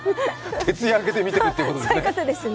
徹夜明けで見ているということですね？